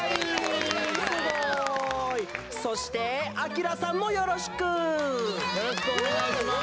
そしてアキラさんもよろしく。